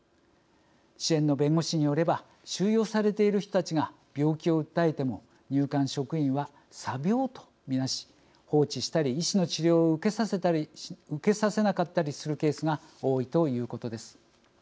支援の弁護士によれば収容されている人たちが病気を訴えても入管職員は「詐病」と見なし放置したり医師の治療を受けさせなかったりするケースが多いということです。